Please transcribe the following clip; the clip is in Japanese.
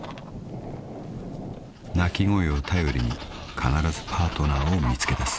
［鳴き声を頼りに必ずパートナーを見つけだす］